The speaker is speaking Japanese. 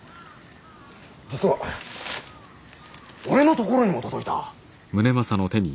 実は俺のところにも届いた。